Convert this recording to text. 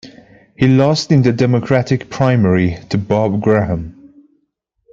He lost in the Democratic primary to Bob Graham.